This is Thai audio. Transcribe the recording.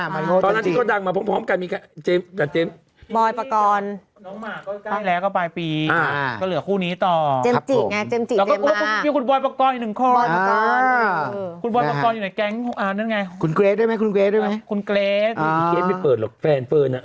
มาริโอเจ